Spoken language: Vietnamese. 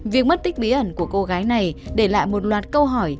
việc mất tích bí ẩn của cô gái này để lại một loạt câu hỏi